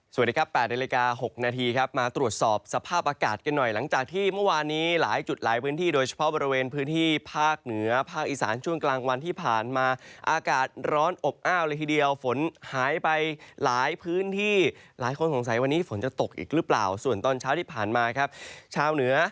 สวัสดีครับ๘นาฬิกา๖นาทีครับมาตรวจสอบสภาพอากาศกันหน่อยหลังจากที่เมื่อวานนี้หลายจุดหลายพื้นที่โดยเฉพาะบริเวณพื้นที่ภาคเหนือภาคอีสานช่วงกลางวันที่ผ่านมาอากาศร้อนอบอ้าวเลยทีเดียวฝนหายไปหลายพื้นที่หลายคนสงสัยวันนี้ฝนจะตกอีกหรือเปล่าส่วนตอนเช้าที่ผ่านมาครับชาวเหนือ